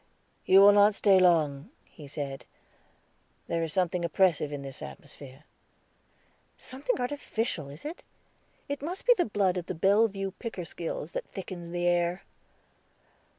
"You will not stay long," he said; "there is something oppressive in this atmosphere." "Something artificial, is it? It must be the blood of the Bellevue Pickersgills that thickens the air."